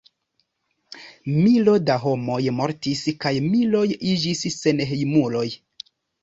Milo da homoj mortis kaj miloj iĝis senhejmuloj.